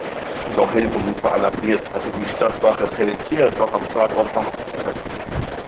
Durch Hilferufe alarmiert hatte die Stadtwache Pelletier noch am Tatort verhaften können.